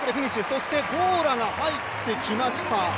そしてゴーラが入ってきました。